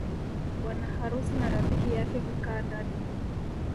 Bwana harusi na rafiki yake hukaa ndani